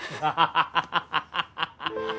ハハハハハッ！